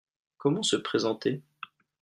Comment se présenter ?